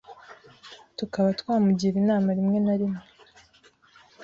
tukaba twamugira inama riwe na rimwe